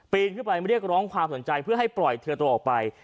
ขึ้นไปเรียกร้องความสนใจเพื่อให้ปล่อยเธอตัวออกไป